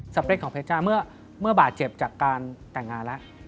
เปรคของเพชจ้าเมื่อบาดเจ็บจากการแต่งงานแล้ว